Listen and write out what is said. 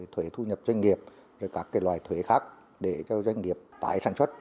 thuế thu nhập doanh nghiệp các loài thuế khác để cho doanh nghiệp tái sản xuất